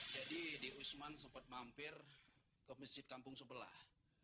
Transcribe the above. jadi di usman sempat mampir ke masjid kampung sebelah